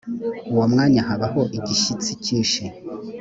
uwo mwanya habaho igishyitsi cyinshi